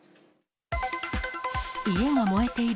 家が燃えている。